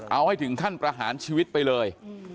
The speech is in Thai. เอาให้ถึงขั้นประหารชีวิตไปเลย